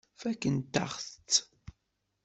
Fakkent-aɣ-tt.